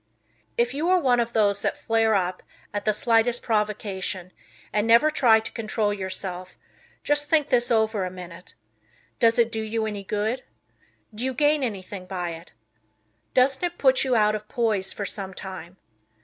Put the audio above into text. If you are one of those that flare up at the slightest "provocation" and never try to control yourself, just think this over a minute. Does it do you any good? Do you gain anything by it? Doesn't it put you out of poise for some time?